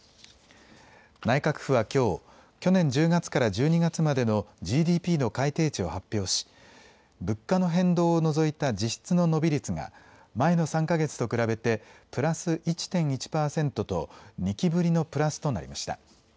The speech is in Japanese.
内閣府はきょう、去年１０月から１２月までのＧＤＰの改定値を発表し、物価の変動を除いた実質の伸び率が前の３か月と比べてプラス１．１％と２期ぶりのプラスとなりました。